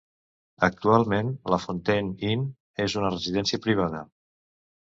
Actualment, la Fountain Inn és una residència privada.